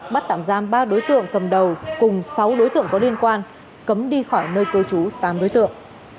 bắt tạm giam ba đối tượng cầm đầu cùng sáu đối tượng có liên quan cấm đi khỏi nơi cư trú tám đối tượng